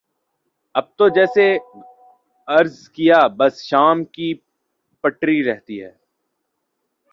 اب تو جیسے عرض کیا بس شام کی پڑی رہتی ہے